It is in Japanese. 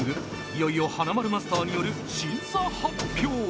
いよいよ華丸マスターによる審査発表